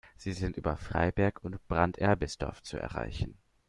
Sie sind über Freiberg und Brand-Erbisdorf zu erreichen.